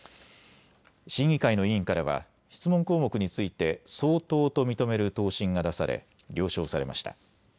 審議会の委員からは質問項目について相当と認める答申が出され了承されました。